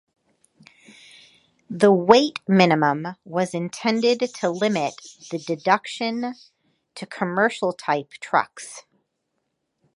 The weight minimum was intended to limit the deduction to commercial-type trucks.